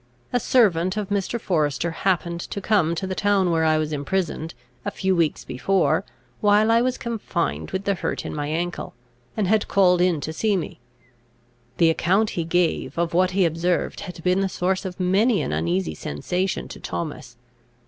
A servant of Mr. Forester happened to come to the town where I was imprisoned, a few weeks before, while I was confined with the hurt in my ankle, and had called in to see me. The account he gave of what he observed had been the source of many an uneasy sensation to Thomas.